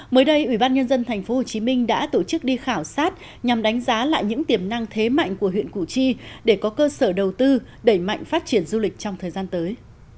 mới đây ủy ban nhân dân tp hcm đã tổ chức đi khảo sát nhằm đánh giá lại những tiềm năng thế mạnh của huyện củ chi để có cơ sở đầu tư đẩy mạnh phát triển du lịch trong thời gian tới